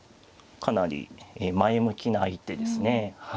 かなり前向きな一手ですね。